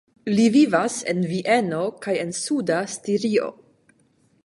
Li vivas en Vieno kaj en Suda Stirio.